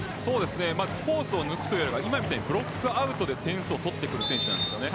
まずコースを抜くというよりは今みたいにブロックアウトで点数を取ってくる選手です。